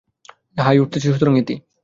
High উঠছে, সুতরাং ইতি।